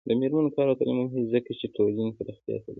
د میرمنو کار او تعلیم مهم دی ځکه چې ټولنې پراختیا سبب دی.